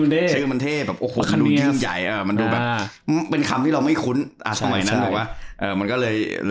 มันดูแบบเป็นคำที่เราไม่คุ้นใช่